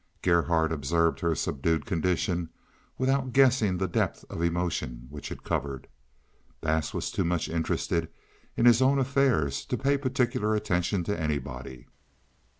Gerhardt observed her subdued condition without guessing the depth of emotion which it covered. Bass was too much interested in his own affairs to pay particular attention to anybody.